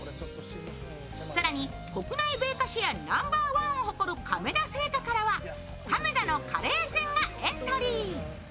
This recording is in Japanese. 更に、国内米菓シェアナンバーワンを誇る亀田製菓からは亀田のカレーせんがエントリー。